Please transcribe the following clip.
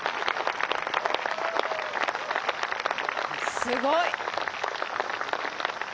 すごい！